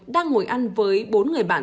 đang ngồi ăn với bốn người bạn